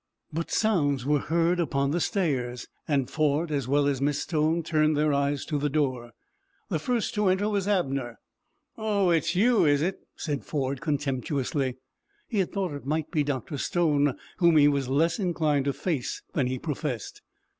But sounds were heard upon the stairs, and Ford, as well as Miss Stone, turned their eyes to the door. The first to enter was Abner. "Oh, it's you, is it?" said Ford, contemptuously. He had thought it might be Dr. Stone, whom he was less inclined to face than he professed.